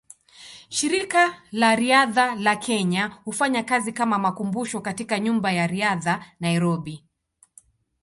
Shirika la Riadha la Kenya hufanya kazi kama makumbusho katika Nyumba ya Riadha, Nairobi.